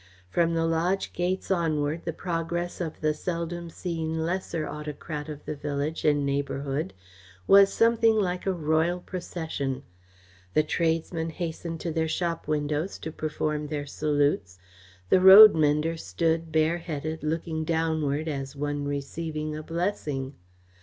From the lodge gates onward the progress of the seldom seen lesser autocrat of the village and neighbourhood was something like a royal procession. The tradesmen hastened to their shop windows to perform their salutes, the roadmender stood, bare headed, looking downward as one receiving a blessing.